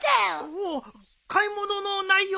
おお買い物の内容